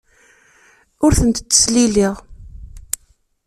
Ur tent-ttesliliɣ.